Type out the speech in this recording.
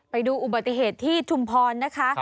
ไปดูอุบัติเหตุที่ชุมพรนะคะ